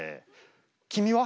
君は？